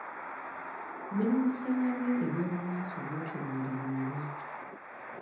Ne mu biseera byo eby'omu maaso bw'otyo bw'olibeera.